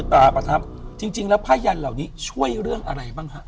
ตาประทับจริงแล้วผ้ายันเหล่านี้ช่วยเรื่องอะไรบ้างฮะ